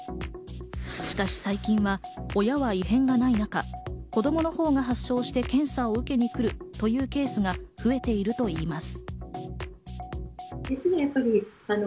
しかし、最近は親は異変がない中、子供のほうが発症して検査を受けに来るというケースが増えているといいます。